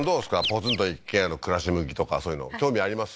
ポツンと一軒家の暮らし向きとかそういうの興味あります？